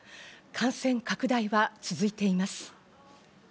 感染拡大は続いています。